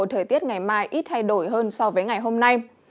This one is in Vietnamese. thời tiết ngày mai ít thay đổi hơn so với ngày hôm nay